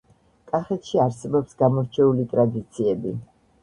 კახეთში არსებობს გამორჩეული ტრადიციები